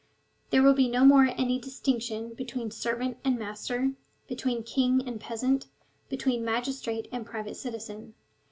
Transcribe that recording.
There will be no more any distinction between ser vant and master, between king and peasant, between magis trate and private citizen.